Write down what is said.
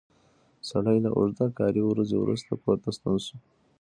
سړی له اوږده کاري ورځې وروسته کور ته ستون شو